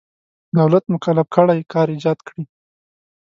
دولت مکلف کړی کار ایجاد کړي.